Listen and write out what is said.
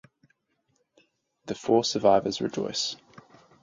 The four survivors rejoice.